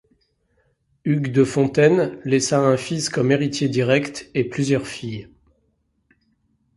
Hugues de Fontaines laissa un fils comme héritier direct et plusieurs filles.